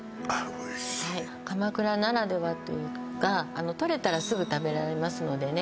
おいしい鎌倉ならではというかとれたらすぐ食べられますのでね